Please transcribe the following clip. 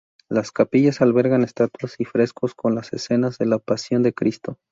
Las capillas albergan estatuas y frescos con las escenas de la "Pasión de Cristo".